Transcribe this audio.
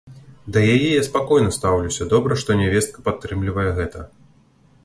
Да яе я спакойна стаўлюся, добра, што нявестка падтрымлівае гэта.